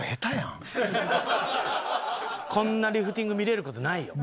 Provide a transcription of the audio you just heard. こんなリフティング見れる事ないよ。